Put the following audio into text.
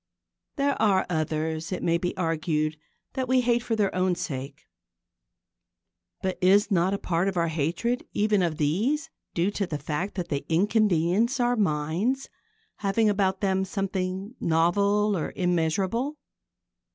There are others, it may be argued, that we hate for their own sake. But is not a part of our hatred even of these due to the fact that they inconvenience our minds, having about them something novel or immeasurable?